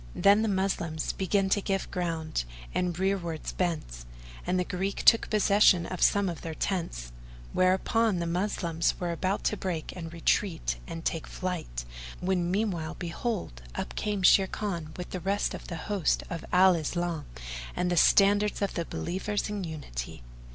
Then the Moslem began to give ground and rearwards bent; and the Greek took possession of some of their tents; whereupon the Moslems were about to break and retreat and take flight, when meanwhile behold, up came Sharrkan with the rest of the host of Al Islam and the standards of the Believers in Unity.